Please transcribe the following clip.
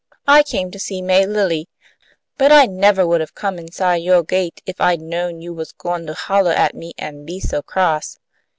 "I came to see May Lilly. But I nevah would have come inside yo' gate if I'd known you was goin' to hollah at me an' be so cross."